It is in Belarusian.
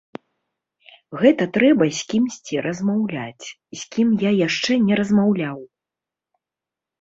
Гэта трэба з кімсьці размаўляць, з кім я яшчэ не размаўляў.